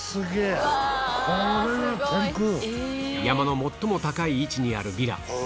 山の最も高い位置にあるヴィラ